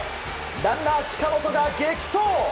ランナー、近本が激走！